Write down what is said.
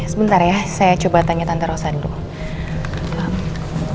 sebentar ya saya coba tanya tante rosan dulu